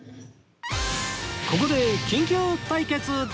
ここで緊急対決